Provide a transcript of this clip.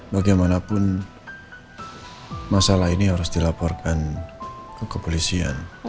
bagaimanapun masalah ini harus dilaporkan ke kepolisian